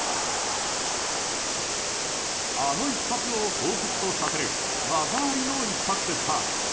あの一発をほうふつとさせる技ありの一発でした。